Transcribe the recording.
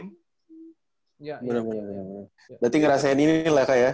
berarti ngerasain ini lah kak ya